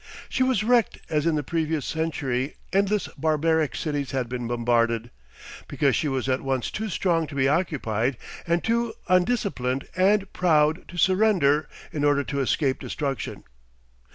She was wrecked as in the previous century endless barbaric cities had been bombarded, because she was at once too strong to be occupied and too undisciplined and proud to surrender in order to escape destruction.